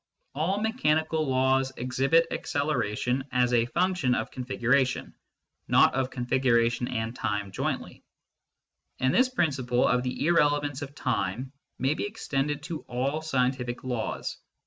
All mechanical laws exhibit acceleration as a function of configuration, not of configuration and time jointly ; and this principle of the irrelevance of the time may be extended to all scientific laws.